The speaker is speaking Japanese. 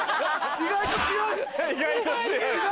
意外と強い。